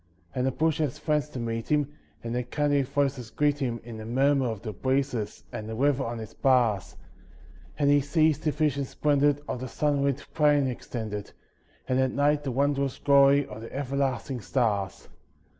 And the bush has friends to meet him, and their kindly voices greet him In the murmur of the breezes and the river on its bars, And he sees the vision splendid of the sunlit plain extended, And at night the wondrous glory of the everlasting stars.